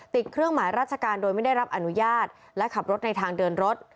เครื่องหมายราชการโดยไม่ได้รับอนุญาตและขับรถในทางเดินรถ